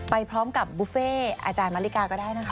ไปพร้อมกับบุฟเฟต์อาจารย์มลักษณ์ก็ได้